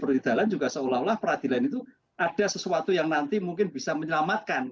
peradilan juga seolah olah peradilan itu ada sesuatu yang nanti mungkin bisa menyelamatkan